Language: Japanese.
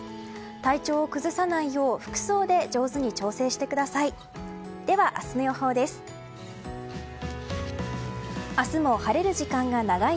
体調を崩さないよう服装で上手に調整してください。